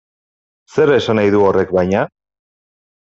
Zer esan nahi du horrek baina?